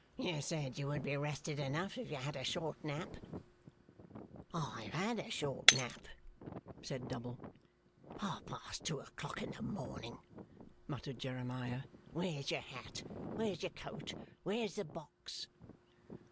You said you would be rested enough if you had a short nap.' 'I have had a short nap,' said Double. 'Half past two o'clock in the morning,' muttered Jeremiah. 'Where's your hat? Where's your coat? Where's the box?